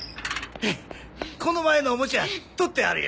この前のおもちゃ取ってあるよ。